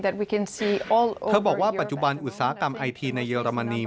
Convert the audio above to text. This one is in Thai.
เธอบอกว่าปัจจุบันอุตสาหกรรมไอทีในเยอรมนี